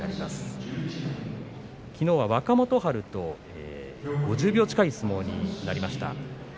きのうは若元春と５０秒近い熱戦になりました。